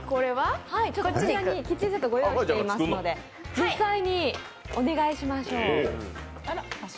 キッチングッズご用意していますので実際にお願いしましょう。